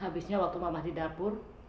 habisnya waktu mamah di dapur